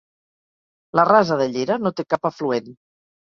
La Rasa de Llera no té cap afluent.